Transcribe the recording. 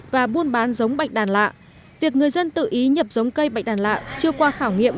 và buôn bán giống bạch đàn lạ việc người dân tự ý nhập giống cây bạch đàn lạ chưa qua khảo nghiệm